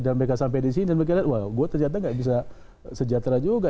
dan mereka sampai di sini dan berkira wah saya ternyata tidak bisa sejahtera juga